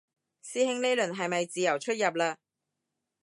師兄呢輪係咪自由出入嘞